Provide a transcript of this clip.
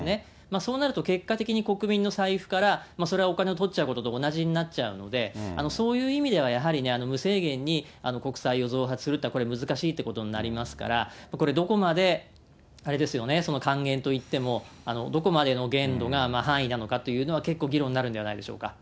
そうなると、結果的に国民の財布からそれはお金をとっちゃうことと同じになっちゃうんで、そういう意味ではやはり、無制限に国債を増発するっていうのはこれ、難しいことになりますから、これ、どこまであれですよね、還元といっても、どこまでの限度が範囲なのかというのは、結構議論になるんではないでしょうか。